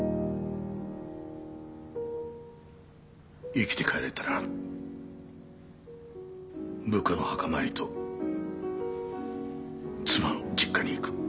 生きて帰れたら部下の墓参りと妻の実家に行く。